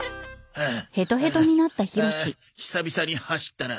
ああ久々に走ったな。